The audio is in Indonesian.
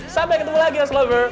sampai ketemu lagi aslover